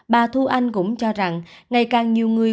bà thu anh cũng cho rằng ngày càng nhiều người